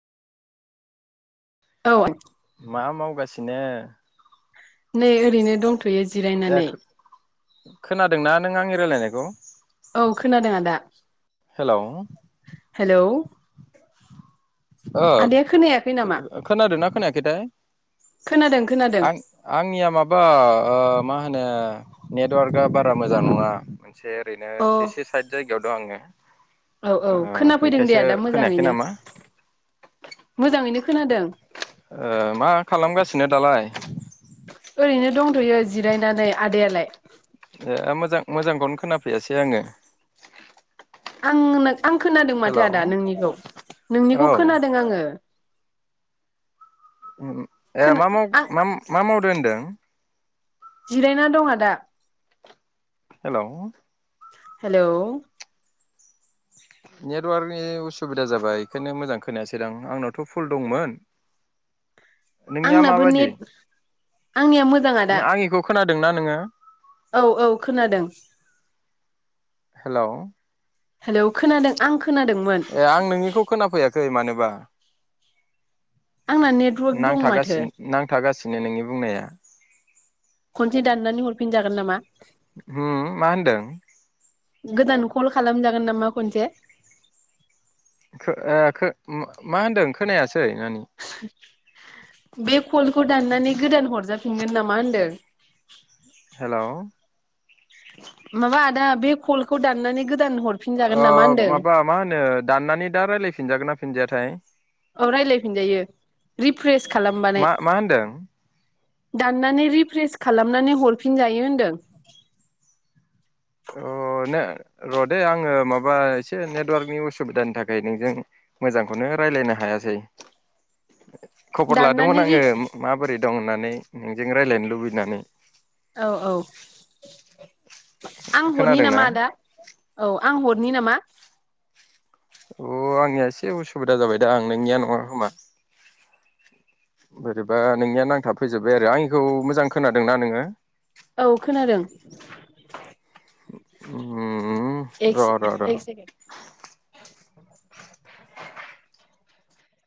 औ मा माव गासिनो नै ओरैनो दंथ' यो ए जिरायनानै खोनादोंना नों आंनि राय्लायनायखौ औ खोनादों आदा हेलौ हेलौ अ आदाया खोनायाखै खो नामा खोनादोंना खोनायाखैथाय खोनादों खोनादों आं आंनिया माबा ओ मा होनो नेटवार्कआ बारा मोजां नङा एसे ओरैनो अ एसे साइद जायगायाव दं आङो औ औ ओ खोनाफैदों दे बेखायसो आदा खोनायाखै मोजाङैनो। नामा मोजाङैनो खोनादों। ओ मा खालामगासिनो दालाय? थ'यो जिरायनानै आदायालाय। ए मोजां मोजांखौनो खोनाफैयासै आङो। आंनो आं खोनादों माथो हेलौ आदा नोंनिखौ औ नोंनिखौ खोनादों आङो। उम उम ए खोना मा माव आं मा मावदों होनदों? [inaudible] जिरायना दं आदा। हेलौ हेलौ नेटवार्कनि उसुबिदा जाबाय बेखायनो मोजां खोनायासै दां आंनावथ' फुल दंमोन। नोंनिया आंनियाबो माबादि नेट आंनिया मोजां आदा। दों ना नोङो? औ औ खोनादों। हेलौ हेलौ खोनादों आं खोनादोंमोन। खै मानोबा आंना नेटवार्क दं माथो। नो नोंनि बुंनाया। खनसे दाननानै हरफिनजागोन नामा? होम मा होनदों? गोदान कल खालामजागोन नामा खनसे? खो ओ खो मा होनदों खोनाया बे खलखौ दाननानै गोदान हरजाब फिनगोन नामा होनदों। हेलौ माबा आदा बे खलखौ दाननानै गोदान हरफिनजागोन ओ नामा होनदों माबा मा होनो दाननानै दा रायलायफि फिनजागोन ना फिनजायाथाय? औ रायलायफिनजायो रिफ्रेस खालामबानाय मा मा होनदों दाननानै रिफ्रेस खालामनानै हरफिनजायो होनदों। अ ने र' दे आङो माबा एसे नेटवार्कनि उसुबिदानि थाखाय नोंजों मोजांखौनो रायलायनो हायासै। खबर दाननानै लादोंमोन रि आङो माबोरै? दं होननानै नोंजों रायलायनो लुबैनानै। औ औ। आं हरनि खोनादोंना नामा आदा? औ आं हरनि नामा? [inaudible] अ आंनिया एसे उसुबिदा जाबाय दा आं नोंनिया नङा खोमा बोरैबा नोंनिया नांथाबफैजोबबाय आरो आंनिखौ मोजां खोनादोंना नोङो? औ खोनादों। उम एस र' र' र' एक सेकेण्ड